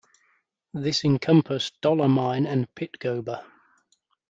This encompassed Dollar Mine and Pitgober.